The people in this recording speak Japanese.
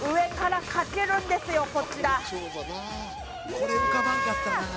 これ浮かばんかったな。